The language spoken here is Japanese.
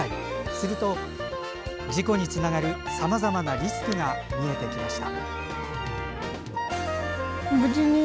すると、事故につながるさまざまなリスクが見えてきました。